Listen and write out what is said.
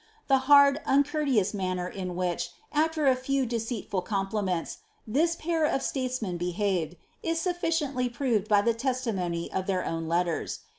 Th« hard« nncourteous manner in which, after a few deceitful compliments, this pair of statesmen behaved, is sufficiently proved by the testimony of their own letters.